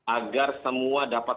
agar semua dapat